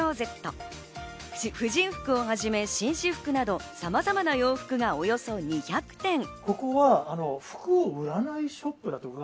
婦人服をはじめ紳士服など、さまざまな洋服がおよそ２００点。